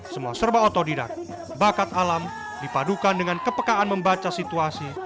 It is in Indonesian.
semua serba otodidak bakat alam dipadukan dengan kepekaan membaca situasi